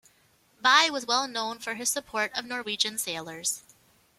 Bye was well known for his support of Norwegian sailors.